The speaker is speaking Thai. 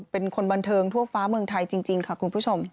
เป็นคนบันเทิงทั่วฟ้าเมืองไทยจริงค่ะคุณผู้ชม